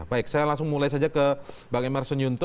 baik saya langsung mulai saja ke bang emerson yunto